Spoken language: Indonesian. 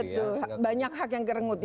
betul banyak hak yang kerengut ya